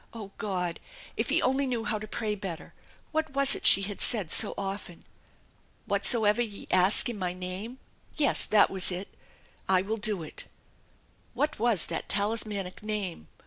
Oh, God! If he only knew how to pray better ! What was it she had said so often ?" Whatsoever ye ask in my name " yes, that was it " I will do it/' What was that talismanic Name?